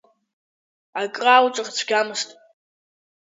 Акры алҵыр цәгьамызт.